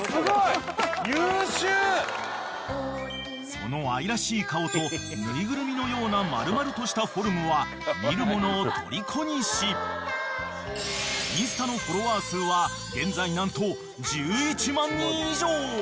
［その愛らしい顔とぬいぐるみのような丸々としたフォルムは見る者をとりこにしインスタのフォロワー数は現在何と１１万人以上］